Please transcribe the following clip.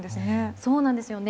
そうなんですよね。